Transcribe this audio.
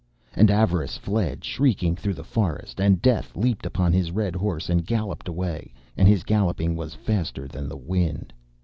And Avarice fled shrieking through the forest, and Death leaped upon his red horse and galloped away, and his galloping was faster than the wind.